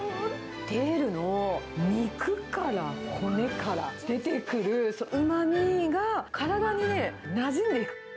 テールの肉から骨から出てくるうまみが体にね、なじんでいく。